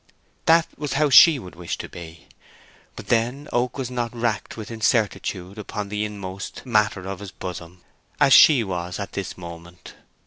That was how she would wish to be. But then Oak was not racked by incertitude upon the inmost matter of his bosom, as she was at this moment.